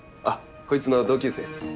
こいつの同級生です